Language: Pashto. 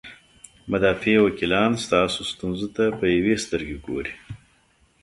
مدافع وکیلان ستاسو ستونزو ته په یوې سترګې ګوري.